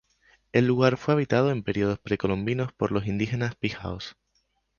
El lugar fue habitado en periodos precolombinos por los indígenas Pijaos.